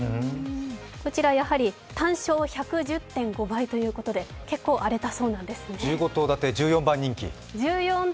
こちら単勝１１０．５倍ということで結構荒れたそうなんですね。